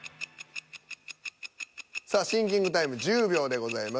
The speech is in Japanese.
さあシンキングタイム１０秒でございます。